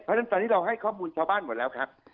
เพราะฉะนั้นตอนนี้เราให้ข้อมูลชาวบ้านหมดแล้วครับ